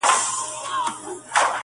هم ښادۍ یې وې لیدلي هم غمونه!